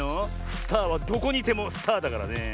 スターはどこにいてもスターだからねえ。